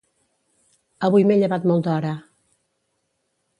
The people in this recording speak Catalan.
Avui m'he llevat molt d'hora.